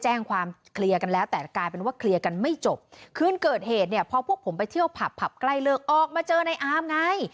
ใช่พี่การจะไปเอาไปใช่ใช่พี่พี่ขนาดสิบกว่าพี่